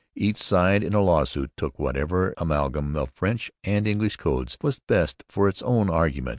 Each side in a lawsuit took whatever amalgam of French and English codes was best for its own argument.